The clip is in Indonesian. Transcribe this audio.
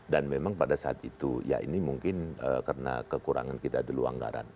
dan memang pada saat itu ya ini mungkin karena kekurangan kita dulu anggaran